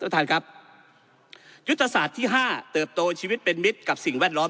ท่านครับยุทธศาสตร์ที่ห้าเติบโตชีวิตเป็นมิตรกับสิ่งแวดล้อม